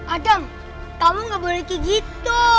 adam kamu gak boleh begitu